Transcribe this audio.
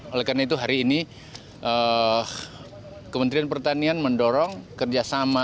oleh karena itu hari ini kementerian pertanian mendorong kerjasama